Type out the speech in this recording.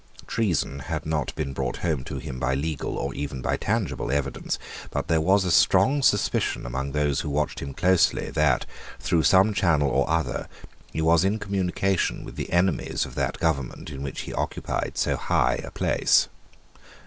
Treason had not been brought home to him by legal, or even by tangible, evidence but there was a strong suspicion among those who watched him closely that, through some channel or other, he was in communication with the enemies of that government in which he occupied so high a place.